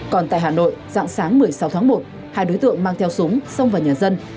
còn tại hà nội dạng sáng một mươi sáu tháng một hai đối tượng mang theo súng xông vào nhà dân